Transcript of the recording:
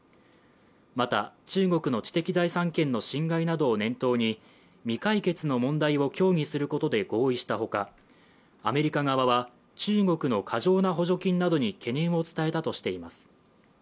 また、中国の知的財産権の侵害などを念頭に未解決の問題を協議することで合意したほか、アメリカ側は、中国の過剰な補助金などに懸念を伝えたとしています。